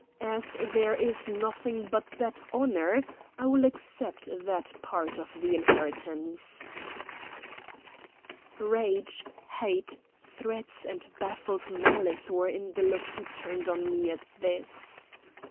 As there is nothing but that honor, I will accept that part of the inheritance." Rage, hate, threats, and baffled malice were in the look he turned on me at this.